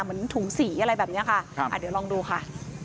เหมือนถุงสีอะไรแบบนี้ค่ะเดี๋ยวลองดูค่ะ